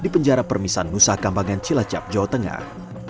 di penjara permisan nusa kambangan cilacap jawa tengah